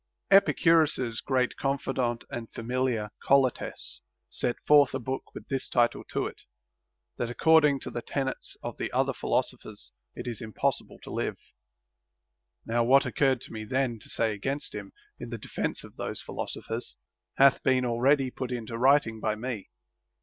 Epicurus's great confidant and familiar, Colotes, set forth a book with this title to it, that according to the tenets of the other philosophers it is impossible to live. Now what occurred to me then to say against him, in the de fence of those philosophers, hath been already put into writing by me.